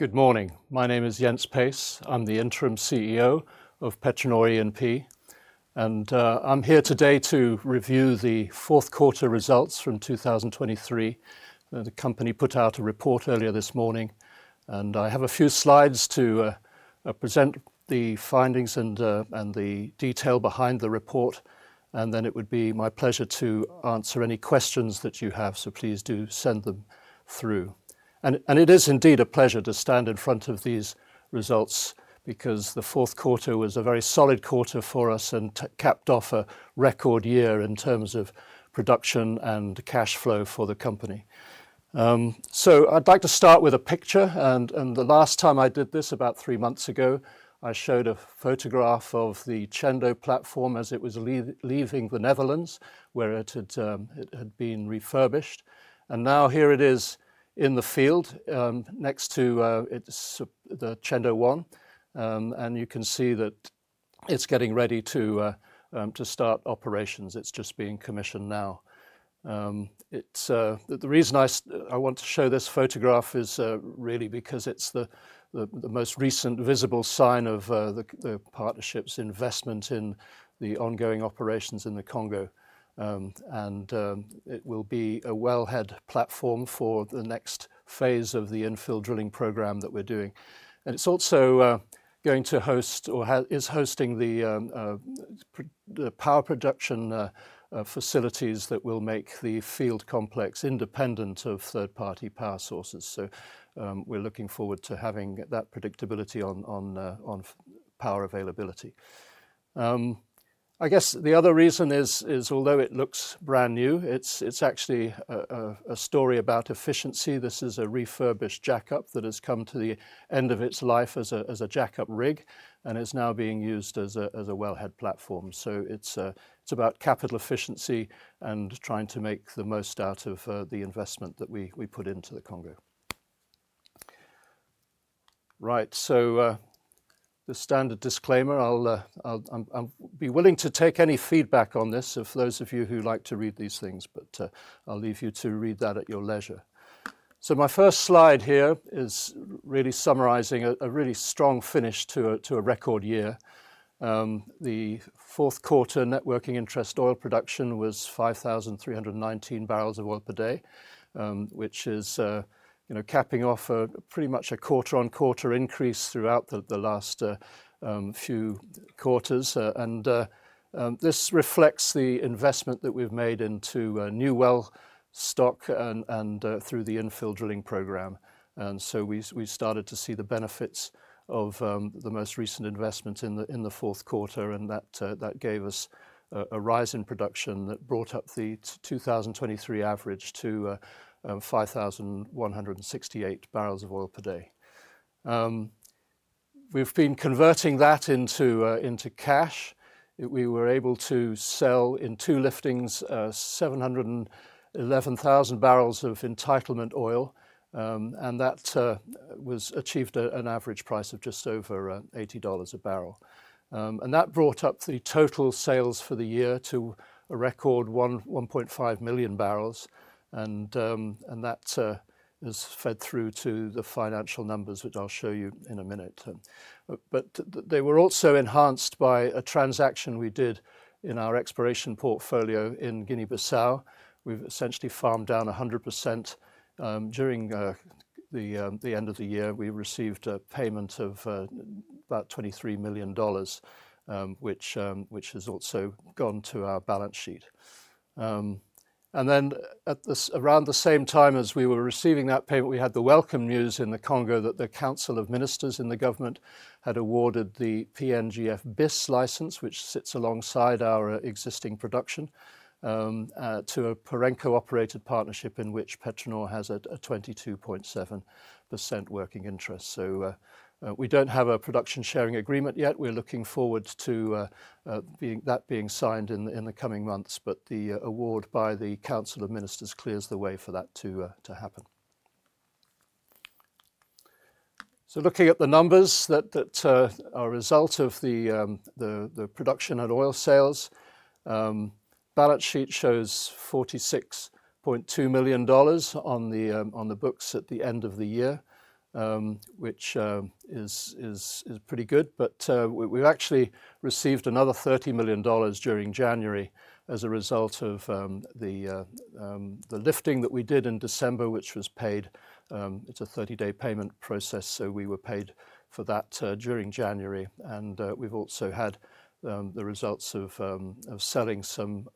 Good morning. My name is Jens Pace. I'm the interim CEO of PetroNor E&P, and I'm here today to review the fourth quarter results from 2023. The company put out a report earlier this morning, and I have a few slides to present the findings and the detail behind the report, and then it would be my pleasure to answer any questions that you have, so please do send them through. It is indeed a pleasure to stand in front of these results because the fourth quarter was a very solid quarter for us and capped off a record year in terms of production and cash flow for the company. I'd like to start with a picture, and the last time I did this, about three months ago, I showed a photograph of the Tchendo platform as it was leaving the Netherlands where it had been refurbished. Now here it is in the field next to the Tchendo 1, and you can see that it's getting ready to start operations. It's just being commissioned now. The reason I want to show this photograph is really because it's the most recent visible sign of the partnership's investment in the ongoing operations in the Congo, and it will be a wellhead platform for the next phase of the infill drilling program that we're doing. And it's also going to host or is hosting the power production facilities that will make the field complex independent of third-party power sources. So we're looking forward to having that predictability on power availability. I guess the other reason is, although it looks brand new, it's actually a story about efficiency. This is a refurbished jackup that has come to the end of its life as a jackup rig and is now being used as a wellhead platform. So it's about capital efficiency and trying to make the most out of the investment that we put into the Congo. Right, so the standard disclaimer. I'll be willing to take any feedback on this if those of you who like to read these things, but I'll leave you to read that at your leisure. So my first slide here is really summarizing a really strong finish to a record year. The fourth quarter net working interest oil production was 5,319 barrels of oil per day, which is capping off pretty much a quarter-on-quarter increase throughout the last few quarters. And this reflects the investment that we've made into new well stock and through the infill drilling program. So we started to see the benefits of the most recent investment in the fourth quarter, and that gave us a rise in production that brought up the 2023 average to 5,168 barrels of oil per day. We've been converting that into cash. We were able to sell, in two liftings, 711,000 barrels of entitlement oil, and that achieved an average price of just over $80 a barrel. And that brought up the total sales for the year to a record 1.5 million barrels, and that is fed through to the financial numbers, which I'll show you in a minute. They were also enhanced by a transaction we did in our exploration portfolio in Guinea-Bissau. We've essentially farmed down 100%. During the end of the year, we received a payment of about $23 million, which has also gone to our balance sheet. Then around the same time as we were receiving that payment, we had the welcome news in the Congo that the Council of Ministers in the government had awarded the PNGF Bis licence, which sits alongside our existing production, to a Perenco-operated partnership in which PetroNor has a 22.7% working interest. We don't have a production sharing agreement yet. We're looking forward to that being signed in the coming months, but the award by the Council of Ministers clears the way for that to happen. Looking at the numbers that are a result of the production and oil sales, the balance sheet shows $46.2 million on the books at the end of the year, which is pretty good. We've actually received another $30 million during January as a result of the lifting that we did in December, which was paid. It's a 30-day payment process, so we were paid for that during January. And we've also had the results of selling some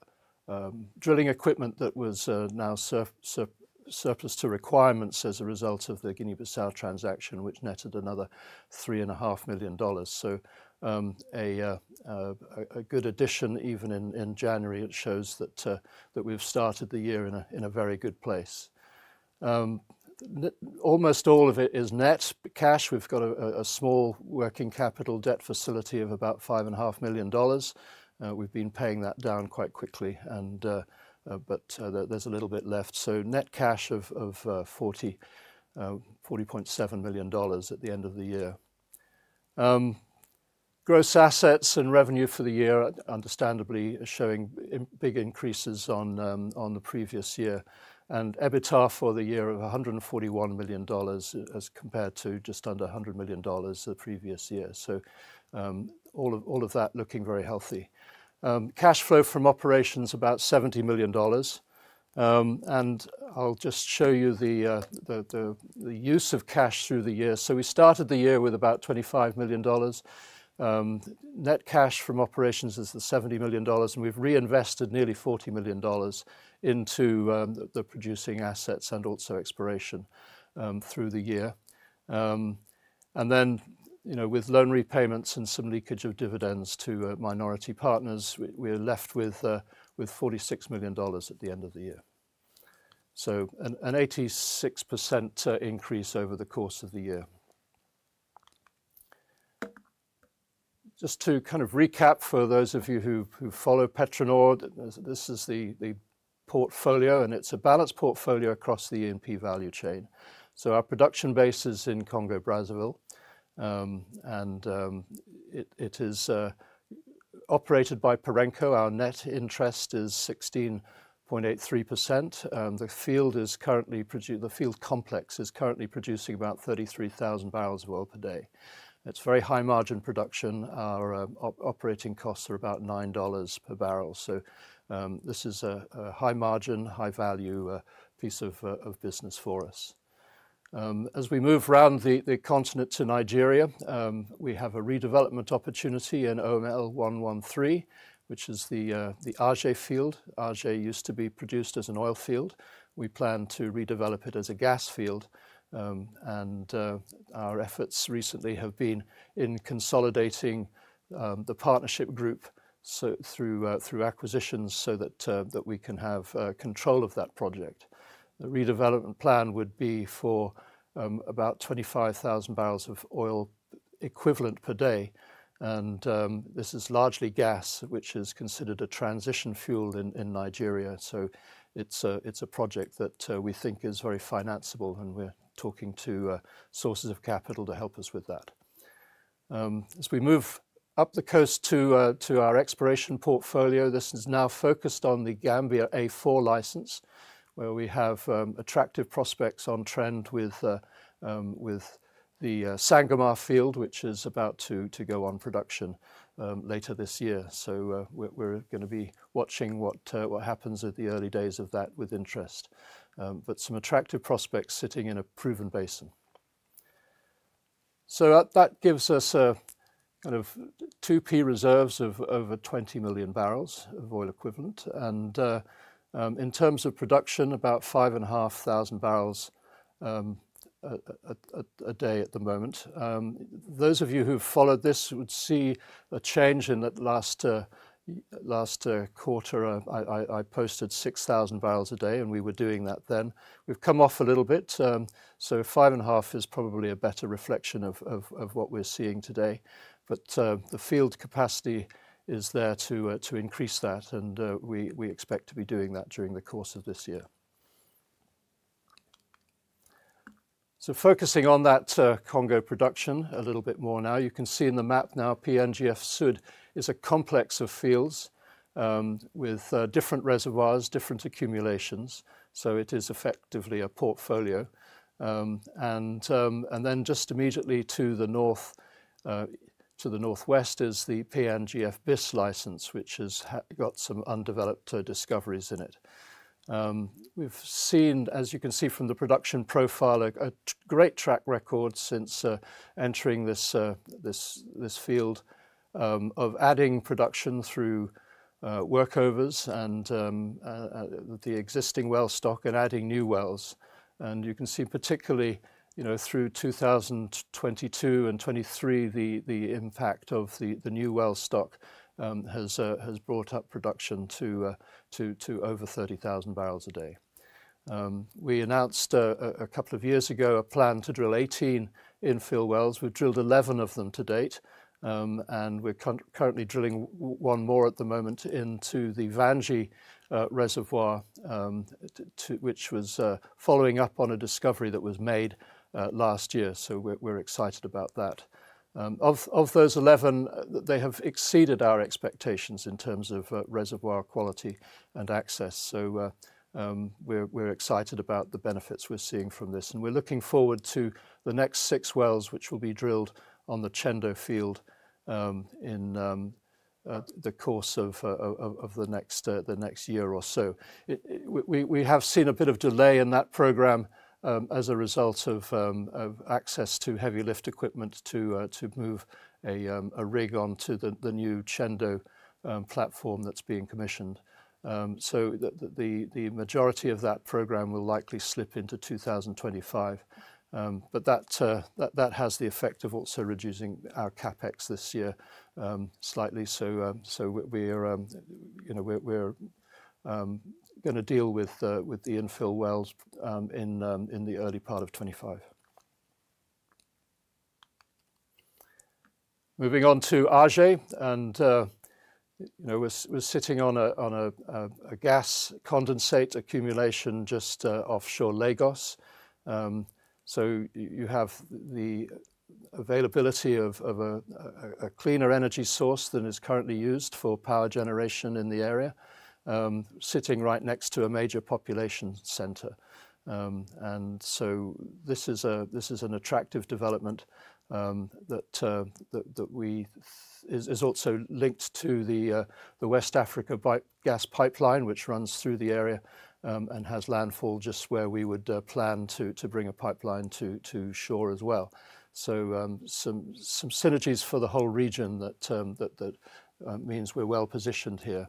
drilling equipment that was now surplus to requirements as a result of the Guinea-Bissau transaction, which netted another $3.5 million. So a good addition, even in January, it shows that we've started the year in a very good place. Almost all of it is net cash. We've got a small working capital debt facility of about $5.5 million. We've been paying that down quite quickly, but there's a little bit left. So net cash of $40.7 million at the end of the year. Gross assets and revenue for the year, understandably, are showing big increases on the previous year, and EBITDA for the year of $141 million as compared to just under $100 million the previous year. So all of that looking very healthy. Cash flow from operations, about $70 million. I'll just show you the use of cash through the year. So we started the year with about $25 million. Net cash from operations is the $70 million, and we've reinvested nearly $40 million into the producing assets and also exploration through the year. And then with loan repayments and some leakage of dividends to minority partners, we're left with $46 million at the end of the year. So an 86% increase over the course of the year. Just to kind of recap for those of you who follow PetroNor, this is the portfolio, and it's a balanced portfolio across the E&P value chain. So our production base is in Congo Brazzaville, and it is operated by Perenco. Our net interest is 16.83%. The field complex is currently producing about 33,000 barrels of oil per day. It's very high-margin production. Our operating costs are about $9 per barrel. So this is a high-margin, high-value piece of business for us. As we move around the continent to Nigeria, we have a redevelopment opportunity in OML 113, which is the Aje field. Aje used to be produced as an oil field. We plan to redevelop it as a gas field, and our efforts recently have been in consolidating the partnership group through acquisitions so that we can have control of that project. The redevelopment plan would be for about 25,000 barrels of oil equivalent per day, and this is largely gas, which is considered a transition fuel in Nigeria. So it's a project that we think is very financeable, and we're talking to sources of capital to help us with that. As we move up the coast to our exploration portfolio, this is now focused on The Gambia A4 license, where we have attractive prospects on trend with the Sangomar field, which is about to go on production later this year. So we're going to be watching what happens at the early days of that with interest, but some attractive prospects sitting in a proven basin. So that gives us kind of 2P reserves of over 20 million barrels of oil equivalent, and in terms of production, about 5,500 barrels a day at the moment. Those of you who've followed this would see a change in that last quarter. I posted 6,000 barrels a day, and we were doing that then. We've come off a little bit, so 5.5 is probably a better reflection of what we're seeing today, but the field capacity is there to increase that, and we expect to be doing that during the course of this year. So focusing on that Congo production a little bit more now, you can see in the map now PNGF Sud is a complex of fields with different reservoirs, different accumulations. So it is effectively a portfolio. And then just immediately to the northwest is the PNGF Bis license, which has got some undeveloped discoveries in it. We've seen, as you can see from the production profile, a great track record since entering this field of adding production through workovers and the existing well stock and adding new wells. You can see particularly through 2022 and 2023, the impact of the new well stock has brought up production to over 30,000 barrels a day. We announced a couple of years ago a plan to drill 18 infill wells. We've drilled 11 of them to date, and we're currently drilling one more at the moment into the Vandji reservoir, which was following up on a discovery that was made last year. So we're excited about that. Of those 11, they have exceeded our expectations in terms of reservoir quality and access. So we're excited about the benefits we're seeing from this, and we're looking forward to the next six wells, which will be drilled on the Tchendo field in the course of the next year or so. We have seen a bit of delay in that program as a result of access to heavy lift equipment to move a rig onto the new Tchendo platform that's being commissioned. So the majority of that program will likely slip into 2025, but that has the effect of also reducing our CapEx this year slightly. So we're going to deal with the infill wells in the early part of 2025. Moving on to Aje, and we're sitting on a gas condensate accumulation just offshore Lagos. So you have the availability of a cleaner energy source than is currently used for power generation in the area, sitting right next to a major population centre. And so this is an attractive development that is also linked to the West Africa Gas Pipeline, which runs through the area and has landfall just where we would plan to bring a pipeline to shore as well. Some synergies for the whole region that means we're well positioned here.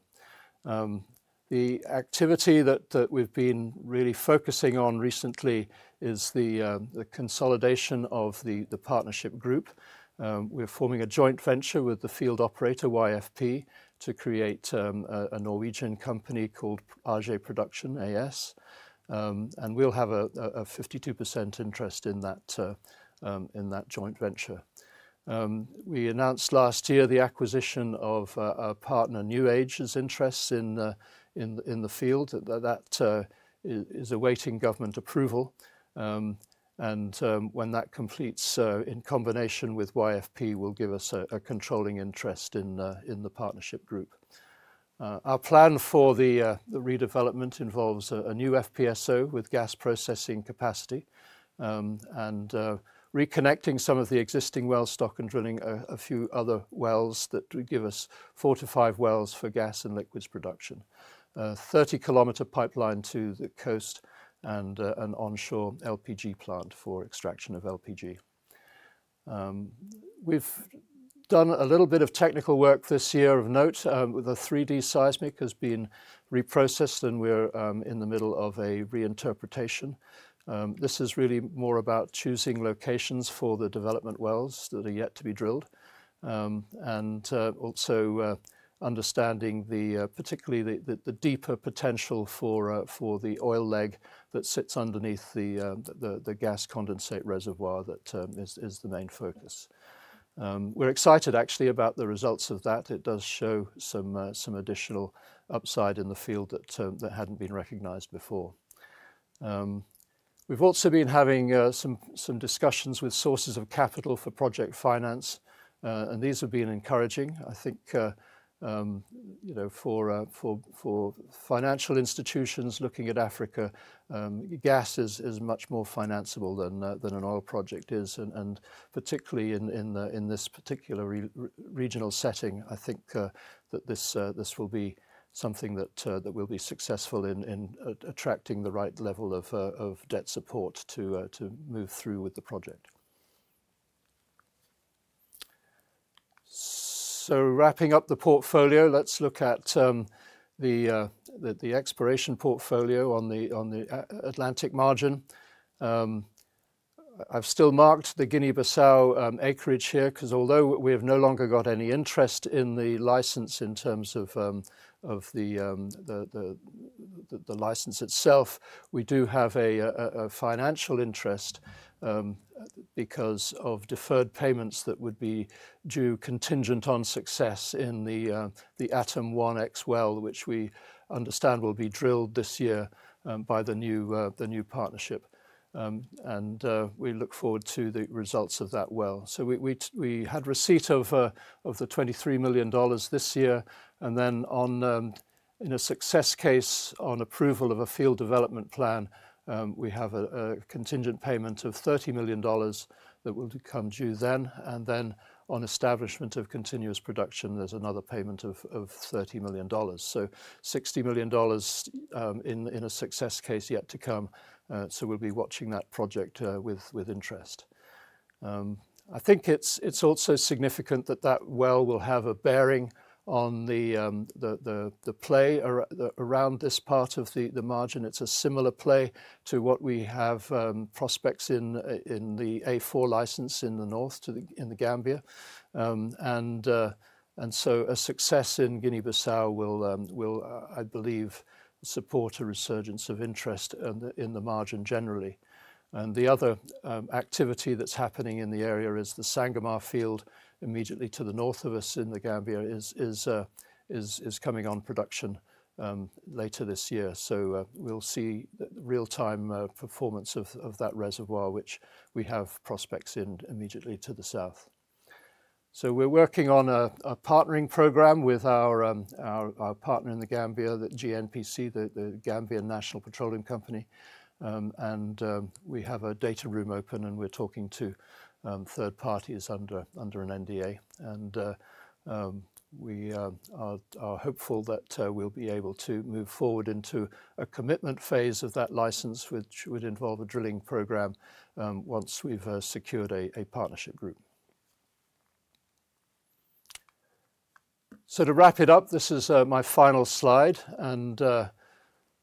The activity that we've been really focusing on recently is the consolidation of the partnership group. We're forming a joint venture with the field operator, YFP, to create a Norwegian company called Aje Petroleum AS, and we'll have a 52% interest in that joint venture. We announced last year the acquisition of our partner, New Age's interests in the field. That is awaiting government approval, and when that completes, in combination with YFP, will give us a controlling interest in the partnership group. Our plan for the redevelopment involves a new FPSO with gas processing capacity and reconnecting some of the existing well stock and drilling a few other wells that would give us four to five wells for gas and liquids production, a 30 km pipeline to the coast, and an onshore LPG plant for extraction of LPG. We've done a little bit of technical work this year of note. The 3D seismic has been reprocessed, and we're in the middle of a reinterpretation. This is really more about choosing locations for the development wells that are yet to be drilled and also understanding particularly the deeper potential for the oil leg that sits underneath the gas condensate reservoir that is the main focus. We're excited, actually, about the results of that. It does show some additional upside in the field that hadn't been recognized before. We've also been having some discussions with sources of capital for project finance, and these have been encouraging. I think for financial institutions looking at Africa, gas is much more financeable than an oil project is, and particularly in this particular regional setting, I think that this will be something that we'll be successful in attracting the right level of debt support to move through with the project. Wrapping up the portfolio, let's look at the exploration portfolio on the Atlantic margin. I've still marked the Guinea-Bissau acreage here because although we have no longer got any interest in the license in terms of the license itself, we do have a financial interest because of deferred payments that would be due contingent on success in the Atum-1X well, which we understand will be drilled this year by the new partnership, and we look forward to the results of that well. So we had receipt of the $23 million this year, and then in a success case on approval of a field development plan, we have a contingent payment of $30 million that will become due then, and then on establishment of continuous production, there's another payment of $30 million. So $60 million in a success case yet to come, so we'll be watching that project with interest. I think it's also significant that that well will have a bearing on the play around this part of the margin. It's a similar play to what we have prospects in the A4 license in the north in The Gambia, and so a success in Guinea-Bissau will, I believe, support a resurgence of interest in the margin generally. And the other activity that's happening in the area is the Sangomar field immediately to the north of us in The Gambia is coming on production later this year. So we'll see the real-time performance of that reservoir, which we have prospects in immediately to the south. So we're working on a partnering program with our partner in The Gambia, the GNPC, the Gambia National Petroleum Corporation, and we have a data room open, and we're talking to third parties under an NDA, and we are hopeful that we'll be able to move forward into a commitment phase of that license, which would involve a drilling program once we've secured a partnership group. So to wrap it up, this is my final slide,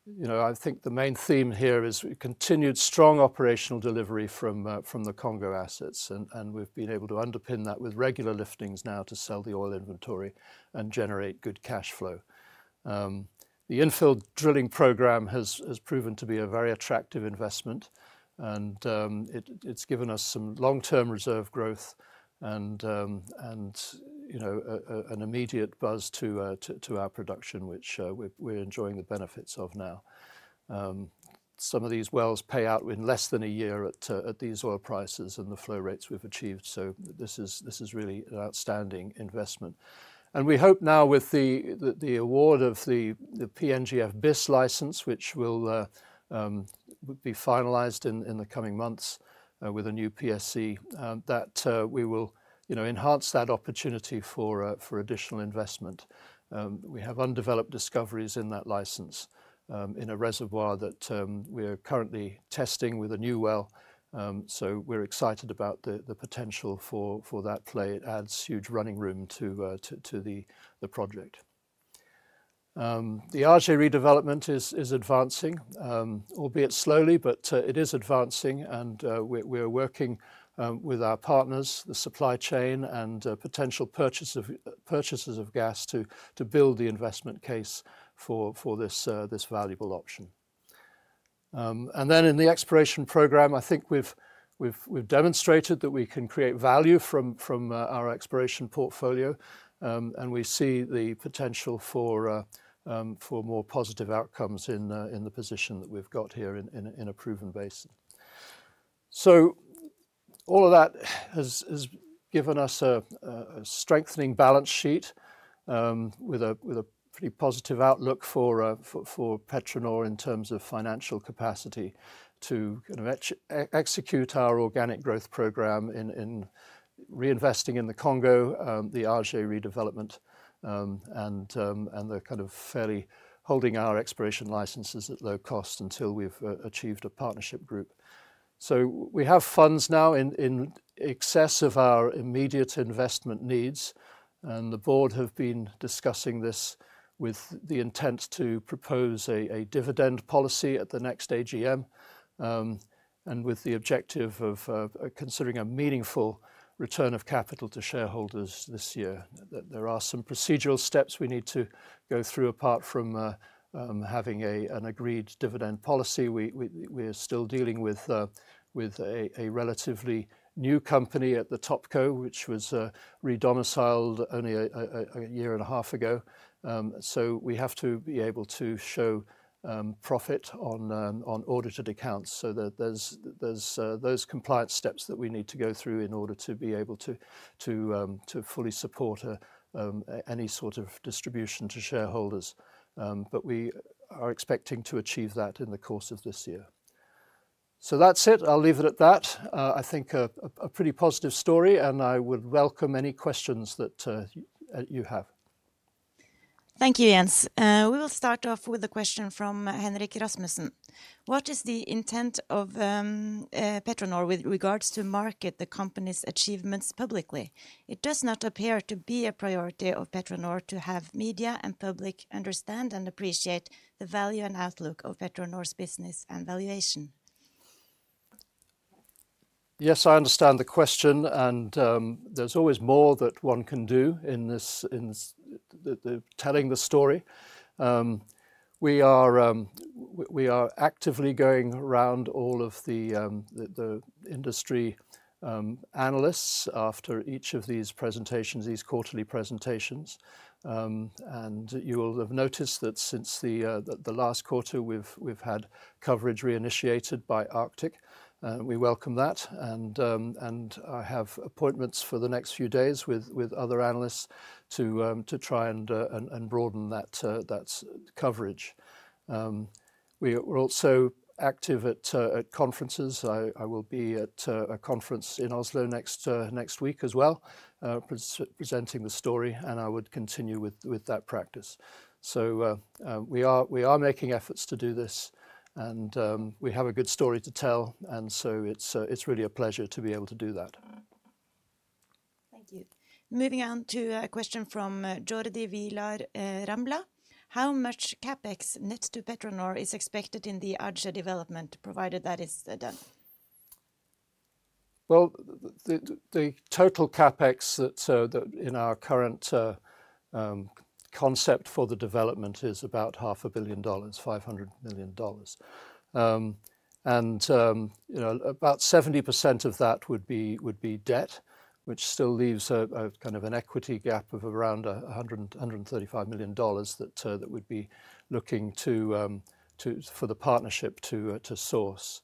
and I think the main theme here is continued strong operational delivery from the Congo assets, and we've been able to underpin that with regular liftings now to sell the oil inventory and generate good cash flow. The infill drilling program has proven to be a very attractive investment, and it's given us some long-term reserve growth and an immediate buzz to our production, which we're enjoying the benefits of now. Some of these wells pay out in less than a year at these oil prices and the flow rates we've achieved, so this is really an outstanding investment. We hope now with the award of the PNGF Bis license, which will be finalized in the coming months with a new PSC, that we will enhance that opportunity for additional investment. We have undeveloped discoveries in that license in a reservoir that we are currently testing with a new well, so we're excited about the potential for that play. It adds huge running room to the project. The Aje redevelopment is advancing, albeit slowly, but it is advancing, and we're working with our partners, the supply chain, and potential purchases of gas to build the investment case for this valuable option. In the exploration program, I think we've demonstrated that we can create value from our exploration portfolio, and we see the potential for more positive outcomes in the position that we've got here in a proven base. All of that has given us a strengthening balance sheet with a pretty positive outlook for PetroNor in terms of financial capacity to kind of execute our organic growth program in reinvesting in the Congo, the Aje redevelopment, and kind of fairly holding our exploration licenses at low cost until we've achieved a partnership group. We have funds now in excess of our immediate investment needs, and the board have been discussing this with the intent to propose a dividend policy at the next AGM and with the objective of considering a meaningful return of capital to shareholders this year. There are some procedural steps we need to go through apart from having an agreed dividend policy. We are still dealing with a relatively new company at the Topco, which was redomiciled only a year and a half ago, so we have to be able to show profit on audited accounts. So there's those compliance steps that we need to go through in order to be able to fully support any sort of distribution to shareholders, but we are expecting to achieve that in the course of this year. So that's it. I'll leave it at that. I think a pretty positive story, and I would welcome any questions that you have. Thank you, Jens. We will start off with a question from Henrik Rasmussen. What is the intent of PetroNor with regards to market the company's achievements publicly? It does not appear to be a priority of PetroNor to have media and public understand and appreciate the value and outlook of PetroNor's business and valuation. Yes, I understand the question, and there's always more that one can do in telling the story. We are actively going round all of the industry analysts after each of these presentations, these quarterly presentations, and you will have noticed that since the last quarter, we've had coverage reinitiated by Arctic. We welcome that, and I have appointments for the next few days with other analysts to try and broaden that coverage. We're also active at conferences. I will be at a conference in Oslo next week as well presenting the story, and I would continue with that practice. So we are making efforts to do this, and we have a good story to tell, and so it's really a pleasure to be able to do that. Thank you. Moving on to a question from Jordi Vilar Rambla. How much Capex net to PetroNor is expected in the Aje development provided that is done? Well, the total Capex that in our current concept for the development is about $500 million, and about 70% of that would be debt, which still leaves kind of an equity gap of around $135 million that we'd be looking for the partnership to source.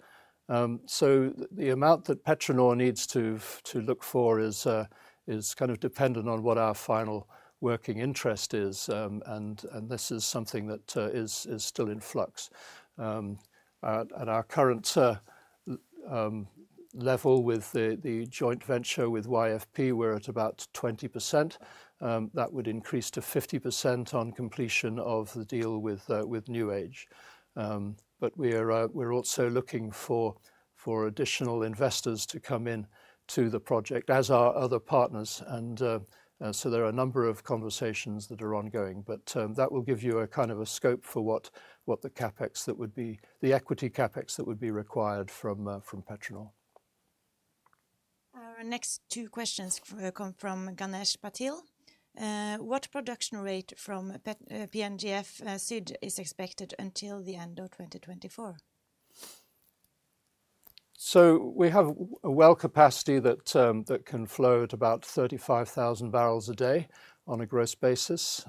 So the amount that PetroNor needs to look for is kind of dependent on what our final working interest is, and this is something that is still in flux. At our current level with the joint venture with YFP, we're at about 20%. That would increase to 50% on completion of the deal with New Age, but we're also looking for additional investors to come into the project as are other partners, and so there are a number of conversations that are ongoing, but that will give you kind of a scope for what the equity CapEx that would be required from PetroNor. Our next two questions come from Ganesh Patil. What production rate from PNGF Sud is expected until the end of 2024? So we have a well capacity that can flow at about 35,000 barrels a day on a gross basis,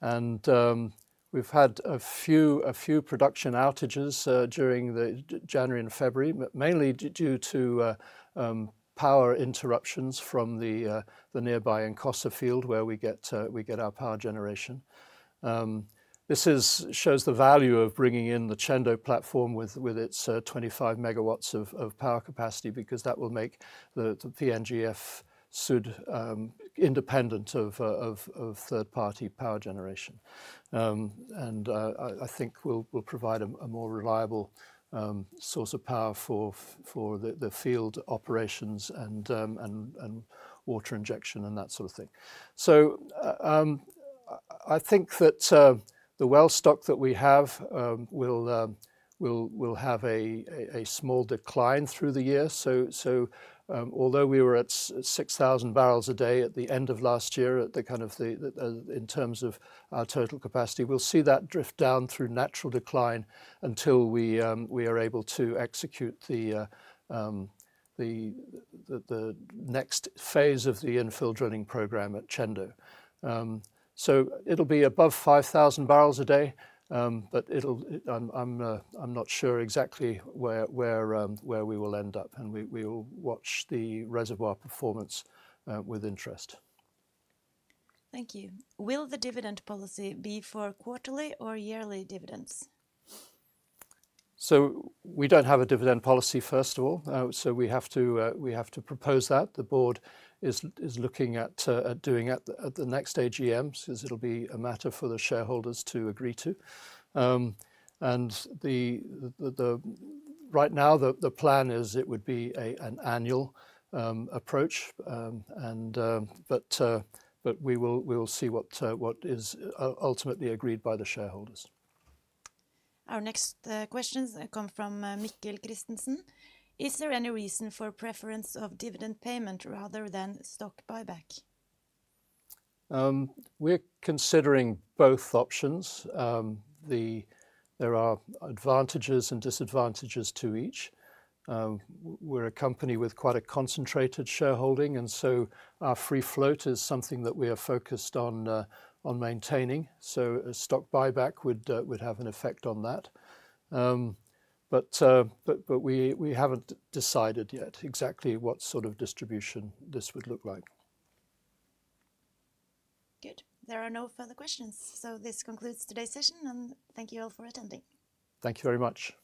and we've had a few production outages during January and February, mainly due to power interruptions from the nearby Nkossa field where we get our power generation. This shows the value of bringing in the Tchendo platform with its 25 megawatts of power capacity because that will make the PNGF Sud independent of third-party power generation, and I think we'll provide a more reliable source of power for the field operations and water injection and that sort of thing. So I think that the well stock that we have will have a small decline through the year, so although we were at 6,000 barrels a day at the end of last year in terms of our total capacity, we'll see that drift down through natural decline until we are able to execute the next phase of the infill drilling program at Tchendo. So it'll be above 5,000 barrels a day, but I'm not sure exactly where we will end up, and we will watch the reservoir performance with interest. Thank you. Will the dividend policy be for quarterly or yearly dividends? We don't have a dividend policy, first of all, so we have to propose that. The board is looking at doing at the next AGM because it'll be a matter for the shareholders to agree to, and right now the plan is it would be an annual approach, but we will see what is ultimately agreed by the shareholders. Our next questions come from Mikkel Christensen. Is there any reason for preference of dividend payment rather than stock buyback? We're considering both options. There are advantages and disadvantages to each. We're a company with quite a concentrated shareholding, and so our free float is something that we are focused on maintaining, so a stock buyback would have an effect on that, but we haven't decided yet exactly what sort of distribution this would look like. Good. There are no further questions, so this concludes today's session, and thank you all for attending. Thank you very much.